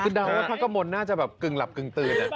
คือเดาว่าพระกระมวลน่าจะแบบกึ่งหลับกึ่งตื่น